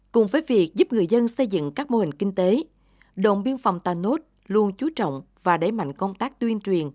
cùng với việc giúp người dân xây dựng các mô hình kinh tế đồn biên phòng tà nốt luôn chú trọng và đẩy mạnh công tác tuyên truyền